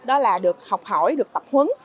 đó là được học hỏi được tập huấn